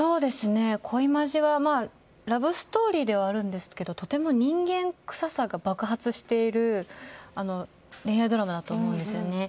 「恋マジ」はラブストーリーではあるんですがとても人間臭さが爆発している恋愛ドラマだと思うんですよね。